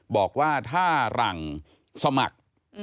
บอกว่าถ้าหลังสมัคร